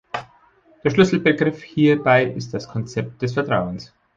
Der Schlüsselbegriff hierbei ist das Konzept des Vertrauens.